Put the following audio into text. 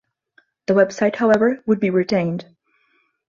The website, however, would be retained.